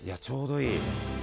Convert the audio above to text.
ちょうどいい。